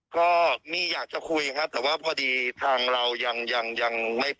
ก็มีอยากจะคุยครับแต่ว่าพอดีทางเรายังยังไม่พอ